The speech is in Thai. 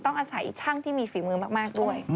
ต้องอาศัยช่างที่มีฝีมือมากด้วย